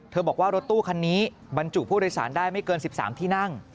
บอกว่ารถตู้คันนี้บรรจุผู้โดยสารได้ไม่เกิน๑๓ที่นั่ง